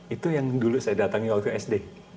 itu yang dulu saya datangi waktu sd